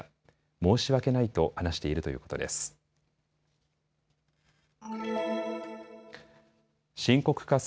申し訳ないと話しているということです。